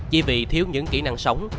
chỉ vì thiếu những kỹ năng sống